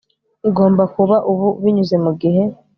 Igomba kuba ubu binyuze mugihe